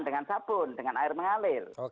dengan sabun dengan air mengalir